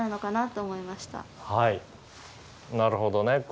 なるほどね。